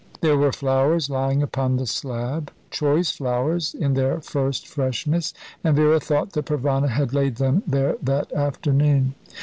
There were flowers lying upon the slab, choice flowers, in their first freshness; and Vera thought that Provana had laid them there that afternoon.